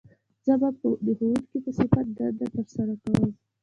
زه به د ښوونکي په صفت دنده تر سره کووم